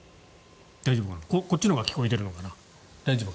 こっちのほうが聞こえているのかな。